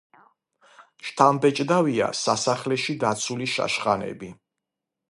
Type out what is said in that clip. შთამბეჭდავია სასახლეში დაცული შაშხანები.